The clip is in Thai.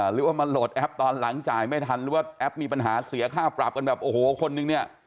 หรือว่ามาโหลดแอปตอนหลังจ่ายไม่ทันหรือว่าแอปมีปัญหาเสียค่าปรับกันแบบโอ้โหคนนึงเนี่ย